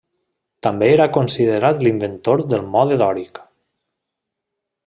També era considerat l'inventor del Mode dòric.